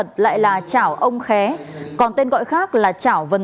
xin chào các bạn